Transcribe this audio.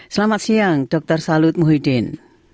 selamat siang dr salut muhyiddin